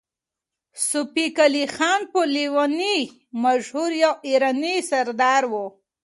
صفي قلي خان په لېوني مشهور يو ایراني سردار و.